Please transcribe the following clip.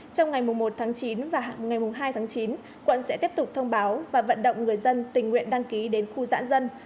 trong ngày một tháng chín và ngày hai tháng chín quận sẽ tiếp tục thông báo và vận động người dân tình nguyện đăng ký đến khu giãn dân